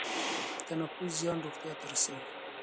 د تنفس زیان روغتیا ته رسوي.